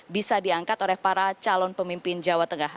bisa diangkat oleh para calon pemimpin jawa tengah